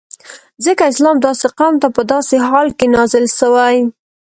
ځکه اسلام داسی قوم ته په داسی حال کی نازل سوی